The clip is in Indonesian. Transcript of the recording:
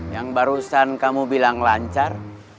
yang barusan kamu bilang lancar